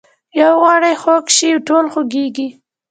یو غړی خوږ شي ټول خوږیږي